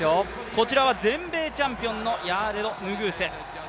こちらは全米チャンピオンのヌグース。